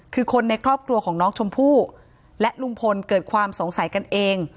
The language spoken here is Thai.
คือคนในครอบครัวของน้องชมพู่และลุงพลเกิดความสงสัยกันเอง